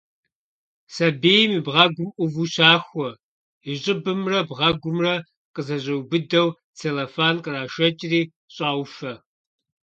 Сабийм и бгъэгум ӏуву щахуэ, и щӏыбымрэ бгъэгумрэ къызэщӏиубыдэу целлофан кърашэкӏри, щӏауфэ.